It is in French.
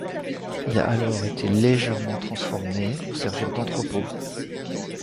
Il a alors été légèrement transformé pour servir d'entrepôt.